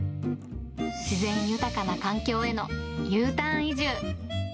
自然豊かな環境へのＵターン移住。